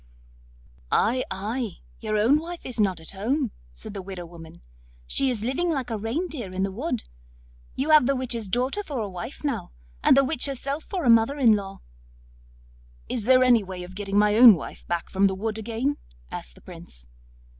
'Ay, ay, your own wife is not at home,' said the widow woman; 'she is living like a reindeer in the wood; you have the witch's daughter for a wife now, and the witch herself for a mother in law.' 'Is there any way of getting my own wife back from the wood again?' asked the Prince.